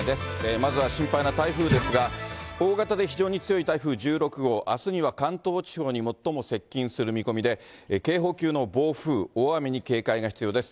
まずは心配な台風ですが、大型で非常に強い台風１６号、あすには関東地方に最も接近する見込みで、警報級の暴風、大雨に警戒が必要です。